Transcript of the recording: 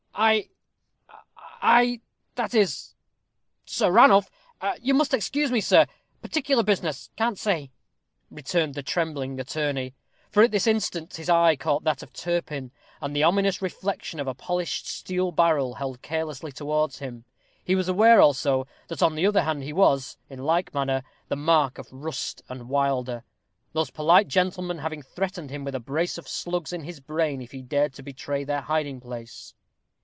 "I I that is Sir Ranulph you must excuse me, sir particular business can't say," returned the trembling attorney; for at this instant his eye caught that of Turpin, and the ominous reflexion of a polished steel barrel, held carelessly towards him. He was aware, also, that on the other hand he was, in like manner, the mark of Rust and Wilder; those polite gentlemen having threatened him with a brace of slugs in his brain if he dared to betray their hiding place.